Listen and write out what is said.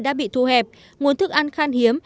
đã bị thu hẹp nguồn thức ăn khan hiếm